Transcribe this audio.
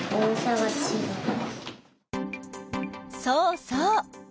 そうそう！